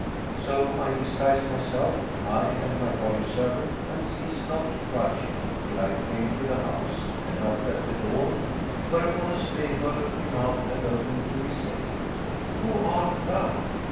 So I disguised myself, I and my body servant, and ceased not trudging till I came to the house and knocked at the door, whereupon a slave girl came out and opened to me, saying, 'Who art thou?'